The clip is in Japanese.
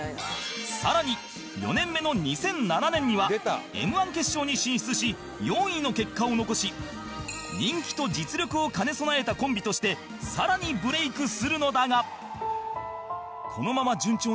さらに４年目の２００７年には Ｍ−１ 決勝に進出し４位の結果を残し人気と実力を兼ね備えたコンビとしてさらにブレイクするのだが